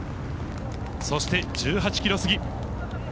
そして、１８キロ過ぎ。